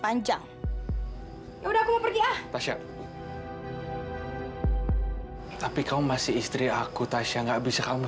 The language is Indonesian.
panjang ya udah aku mau pergi ah tasya tapi kamu masih istri aku tasya nggak bisa kamu